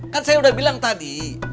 kan saya udah bilang tadi